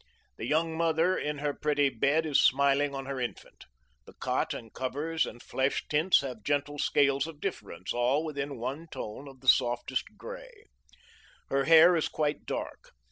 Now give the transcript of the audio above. The young mother in her pretty bed is smiling on her infant. The cot and covers and flesh tints have gentle scales of difference, all within one tone of the softest gray. Her hair is quite dark.